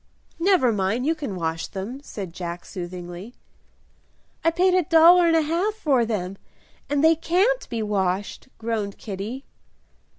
"Never mind, you can wash them," said Jack, soothingly. "I paid a dollar and a half for them, and they can't be washed," groaned Kitty.